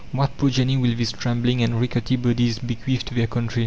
What progeny will these trembling and rickety bodies bequeath to their country?